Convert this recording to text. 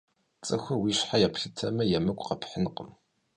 ЦӀыхур уи щхьэ еплъытмэ, емыкӀу къэпхьынкъым.